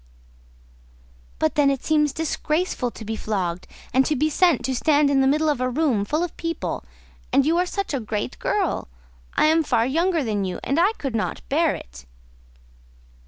"But then it seems disgraceful to be flogged, and to be sent to stand in the middle of a room full of people; and you are such a great girl: I am far younger than you, and I could not bear it."